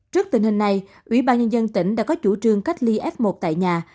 trước tình hình này ủy ban nhân dân tỉnh đã có chủ trương cách ly f một tại nhà